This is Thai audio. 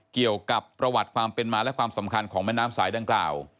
เกี่ยวกับประวัติความเป็นมาและความสำคัญของแม่น้ำสายดังกล่าว